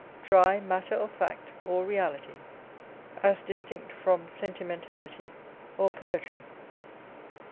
Dry matter of fact or reality, as distinct from sentimentality or poetry.